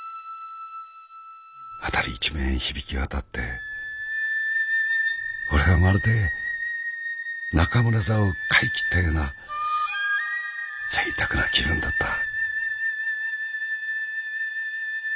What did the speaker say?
あたり一面響きわたって俺はまるで中村座を買い切ったような贅沢な気分だった。